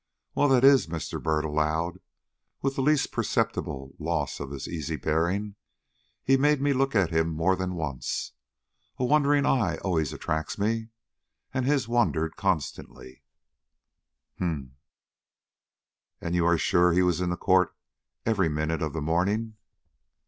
"Well, that is," Mr. Byrd allowed, with the least perceptible loss of his easy bearing, "he made me look at him more than once. A wandering eye always attracts me, and his wandered constantly." "Humph! and you are sure he was in the court every minute of the morning?"